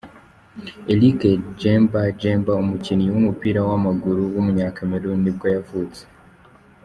Eric Djemba-Djemba, umukinnyi w’umupiraw’amaguru w’umunyakameruni nibwo yavutse.